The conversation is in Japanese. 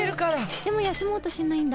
でも休もうとしないんだ。